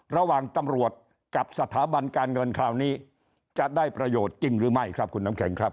ระหว่างตำรวจกับสถาบันการเงินคราวนี้จะได้ประโยชน์จริงหรือไม่ครับคุณน้ำแข็งครับ